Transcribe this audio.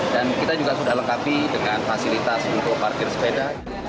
dan kita juga sudah lengkapi dengan fasilitas untuk parkir sepeda